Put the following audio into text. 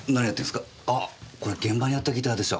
これ現場にあったギターでしょ？